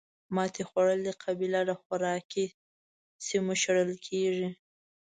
ماتې خوړلې قبیله له خوراکي سیمو شړل کېږي.